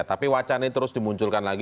tapi wacana ini terus dimunculkan lagi